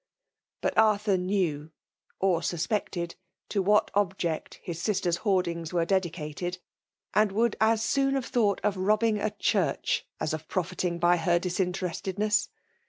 But Arthur knew, or soipected, to what object his sister's hoardftf^ were dedicated; and would as soon hai^ thought of robbing a church as oT profiting by her dittntesestednesa.